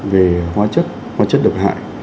về hóa chất hóa chất độc hại